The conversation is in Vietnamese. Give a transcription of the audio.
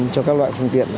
cho các loại phương tiện